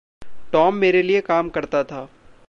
Tom मेरे लिए काम करता था।